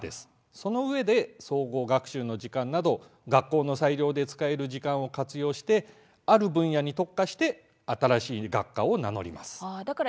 そのうえで総合学習の時間など学校の裁量で使える時間を活用してある分野に特化して新しい学科を名乗ります。